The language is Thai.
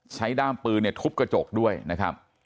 ด้ามปืนเนี่ยทุบกระจกด้วยนะครับ